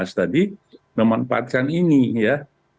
tadi memanfaatkan ini ya